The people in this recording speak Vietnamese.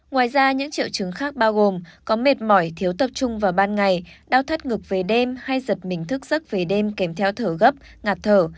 ngoài ra những triệu chứng khác bao gồm có mệt mỏi thiếu tập trung vào ban ngày đau thắt ngực về đêm hay giật mình thức giấc về đêm kèm theo thở gấp ngạt thở